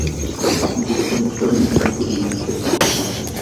Partneři se téměř rovným dílem podílí na péči o potomstvo.